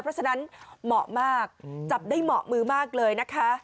เพราะฉะนั้นเหมาะมากจับได้เหมาะมือมากเลยนะคะ